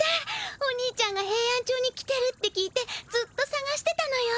おにいちゃんがヘイアンチョウに来てるって聞いてずっとさがしてたのよ。